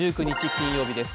金曜日です。